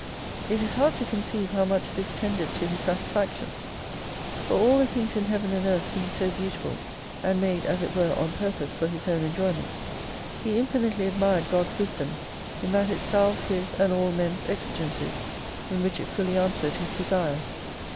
It is hard to conceive how much this tended to his satisfaction. For all the things in Heaven and Earth being so beautiful, and made, as it were, on purpose for his own enjoyment ; he infinitely admired God's wisdom, in that it salved his and all men's exigencies, in which it fully answered his desires.